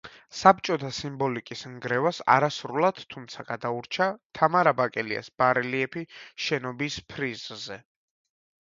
საბჭოთა სიმბოლიკის ნგრევას არასრულად, თუმცა გადაურჩა თამარ აბაკელიას ბარელიეფი შენობის ფრიზზე.